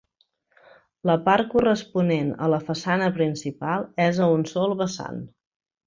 La part corresponent a la façana principal és a un sol vessant.